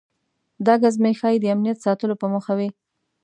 دا ګزمې ښایي د امنیت ساتلو په موخه وي.